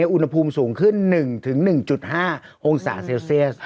อุณหภูมิสูงขึ้น๑๑๕องศาเซลเซียส